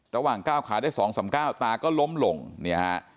ระหว่างก้าวขาได้สองสามก้าวตาก็ล้มหลงเนี่ยฮะ